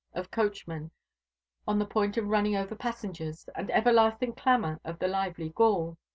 of coachmen on the point of running over passengers, and everlasting clamour of the lively Gaul.